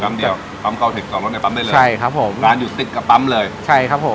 เดียวปั๊มเก้าถึงจอดรถในปั๊มได้เลยใช่ครับผมงานอยู่ติดกับปั๊มเลยใช่ครับผม